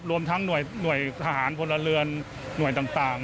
รวมทั้งหน่วยทหารพลเรือนหน่วยต่าง